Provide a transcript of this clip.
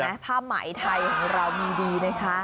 เห็นไหมผ้าไหมไทยของเรามีดีนะคะ